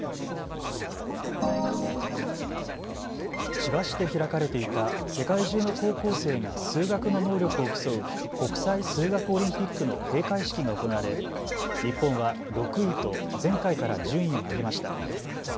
千葉市で開かれていた世界中の高校生が数学の能力を競う国際数学オリンピックの閉会式が行われ日本は６位と前回から順位を上げました。